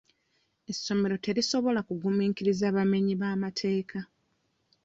Essomero terisobola kugumiikiriza bamenyi b'amateeka.